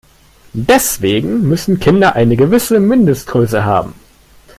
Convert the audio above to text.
Deswegen müssen Kinder eine gewisse Mindestgröße haben.